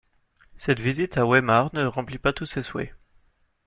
Cette visite à Weimar ne remplit pas tous ses souhaits.